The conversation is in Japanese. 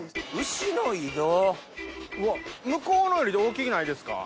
向こうのより大きくないですか？